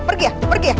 pergi ya pergi ya